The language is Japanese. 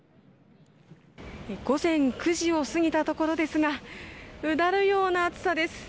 午前９時を過ぎたところですがうだるような暑さです。